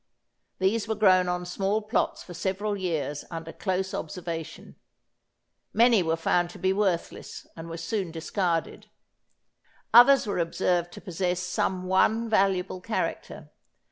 These were grown on small plots for several years under close observation. Many were found to be worthless and were soon discarded. Others were observed to possess some one valuable character.